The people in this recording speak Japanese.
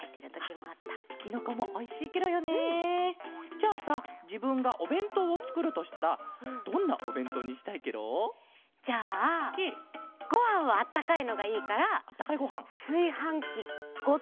じゃあさじぶんがおべんとうをつくるとしたらどんなおべんとうにしたいケロ？じゃあごはんはあったかいのがいいからすいはんきごとそのままもってくる。